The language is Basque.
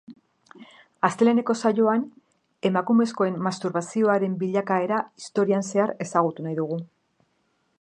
Asteleheneko saioan, emakumezkoen masturbazioaren bilakaera historian zehar ezagutu nahi dugu.